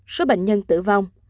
số bệnh nhân tử vong